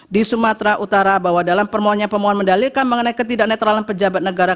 di sumatera utara bahwa dalam permohonan pemohon mendalilkan mengenai ketidak netralan pejabat negara